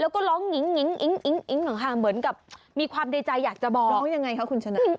แล้วก็ร้องงิ้งเหมือนกับมีความในใจอยากจะบอก